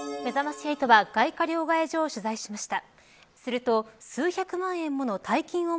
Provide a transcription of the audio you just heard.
それに伴ってめざまし８は外貨両替所を取材しました。